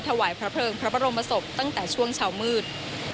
ถวายพระเพลิงพระบรมศพตั้งแต่ช่วงเช้ามืด